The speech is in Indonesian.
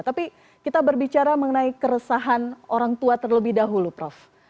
tapi kita berbicara mengenai keresahan orang tua terlebih dahulu prof